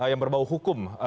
yang berbau hukum